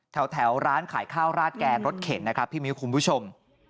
แถวร้านขายข้าวราดแกงรถเข็นนะครับพี่มิ้วคุณผู้ชม